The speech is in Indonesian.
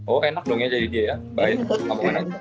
oh enak dong jadi dia ya